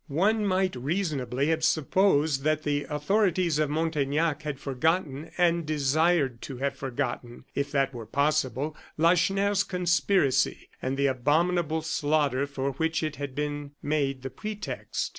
One might reasonably have supposed that the authorities of Montaignac had forgotten, and desired to have forgotten, if that were possible, Lacheneur's conspiracy, and the abominable slaughter for which it had been made the pretext.